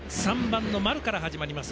３番の丸から始まります。